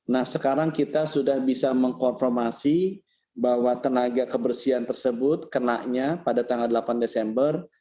nah sekarang kita sudah bisa mengkonformasi bahwa tenaga kebersihan tersebut kenanya pada tanggal delapan desember